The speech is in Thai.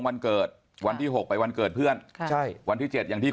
คุณสวันที่ยึดประโยชน์